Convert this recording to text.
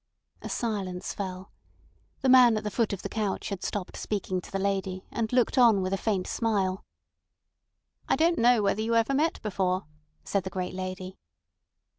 A silence fell. The man at the foot of the couch had stopped speaking to the lady, and looked on with a faint smile. "I don't know whether you ever met before," said the great lady.